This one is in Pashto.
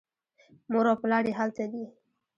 مور او پلار یې هلته دي.